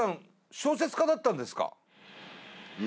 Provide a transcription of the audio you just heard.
小説家だったんですか？